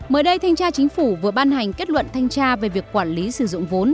mới đây thanh tra chính phủ vừa ban hành kết luận thanh tra về việc quản lý sử dụng vốn